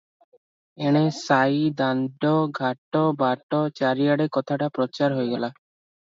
ଏଣେ ସାଇ, ଦାଣ୍ଡ, ଘାଟ, ବାଟ, ଚାରିଆଡ଼େ କଥାଟା ପ୍ରଚାର ହୋଇଗଲା ।